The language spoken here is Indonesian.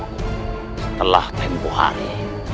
setelah tempoh hari